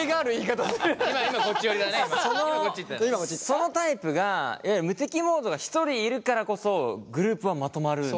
そのタイプが無敵モードが１人いるからこそグループはまとまるんだよね。